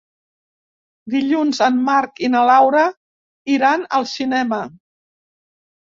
Dilluns en Marc i na Laura iran al cinema.